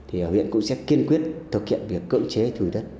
huyện cũng sẽ kiên quyết thực hiện việc cưỡng chế thu hồi đất